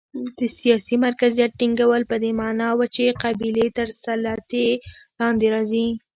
د سیاسي مرکزیت ټینګول په دې معنا و چې قبیلې تر سلطې لاندې راځي.